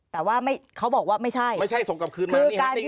แต่ว่าเขาบอกว่าไม่ใช่ไม่ใช่ส่งกลับคืนมานี่เอง